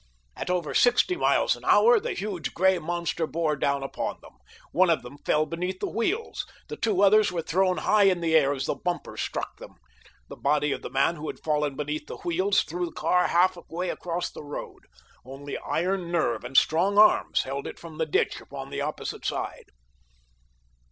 At over sixty miles an hour the huge, gray monster bore down upon them. One of them fell beneath the wheels—the two others were thrown high in air as the bumper struck them. The body of the man who had fallen beneath the wheels threw the car half way across the road—only iron nerve and strong arms held it from the ditch upon the opposite side.